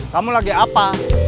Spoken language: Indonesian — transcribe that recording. kamu lagi apa